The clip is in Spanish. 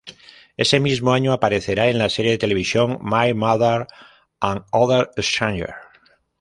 Ese mismo año aparecerá en la serie de televisión "My Mother and Other Strangers".